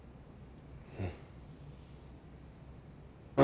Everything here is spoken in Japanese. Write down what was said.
うん。